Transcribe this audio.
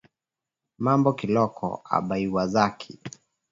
Mambo kiloko abaiwazaki